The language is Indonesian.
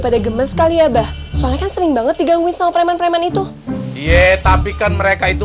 pada gemes kali ya bahkan sering banget digangguin sama preman preman itu iya tapi kan mereka itu